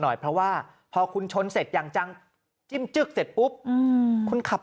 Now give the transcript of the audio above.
หน่อยเพราะว่าพอคุณชนเสร็จอย่างจังจิ้มจึ๊กเสร็จปุ๊บคุณขับ